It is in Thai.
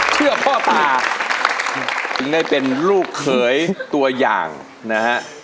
พ่อตาถึงได้เป็นลูกเขยตัวอย่างนะฮะ